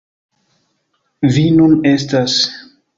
Vi nun estas.